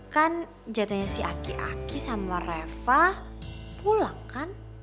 kan jatuhnya si aki aki sama reva pulang kan